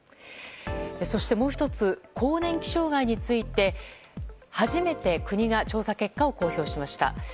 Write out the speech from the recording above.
そしてもう１つ更年期障害について初めて国が調査結果を公表しました。